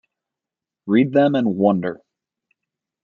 Read them and wonder!